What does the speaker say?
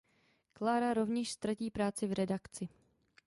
Clara rovněž ztratí práci v redakci.